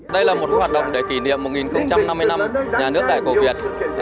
đây là một hoạt động để kỷ niệm một năm mươi năm nhà nước đại cổ việt